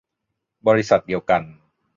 บริษัทเดียวกัน